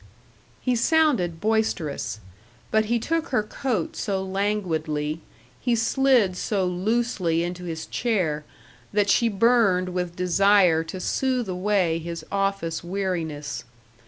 He sounded boisterous, but he took her coat so languidly, he slid so loosely into his chair, that she burned with desire to soothe away his office weariness.